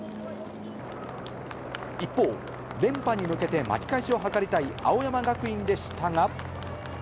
一方、連覇へ向けて巻き返しを図りたい青山学院でしたが。